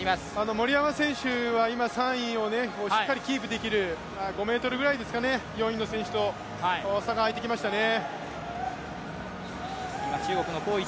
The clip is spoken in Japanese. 森山選手は今、３位をしっかりキープできる、５ｍぐらいですかね、４位の選手と差が開いてきましたね